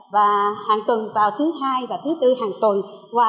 và hàng tuần vào thứ hai và thứ tư hàng tuần